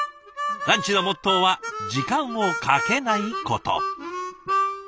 ランチのモットーは時間をかけないこと。